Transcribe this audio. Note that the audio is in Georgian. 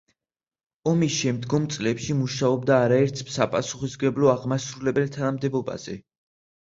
ომის შემდგომ წლებში მუშაობდა არაერთ საპასუხისმგებლო აღმასრულებელ თანამდებობაზე.